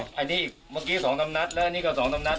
อันนี้เมื่อกี้๒ดำนัดแล้วอันนี้ก็๒ดำนัด